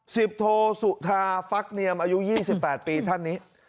โทสุธาฟักเนียมอายุ๒๘ปีท่านนี้